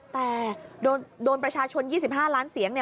แต่โดนประชาชน๒๕ล้านเสียง